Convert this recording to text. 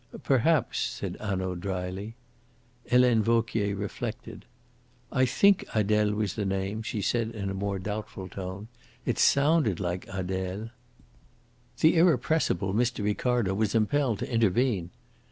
"Perhaps," said Hanaud dryly. Helene Vauquier reflected. "I think Adele was the name," she said in a more doubtful tone. "It sounded like Adele." The irrepressible Mr. Ricardo was impelled to intervene.